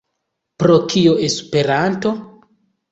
Pro kio Esperanto?